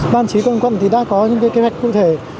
ban chí công an quận thì đã có những kế hoạch cụ thể